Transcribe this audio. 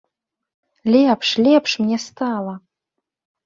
Лепш, лепш мне стала!